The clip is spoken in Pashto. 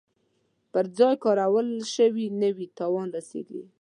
پر ځای کارول شوي نه وي تاوان رسیږي.